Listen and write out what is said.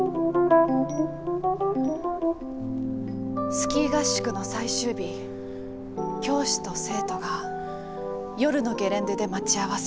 スキー合宿の最終日教師と生徒が夜のゲレンデで待ち合わせ。